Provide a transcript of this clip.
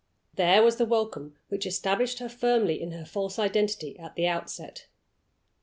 There was the welcome which established her firmly in her false identity at the outset.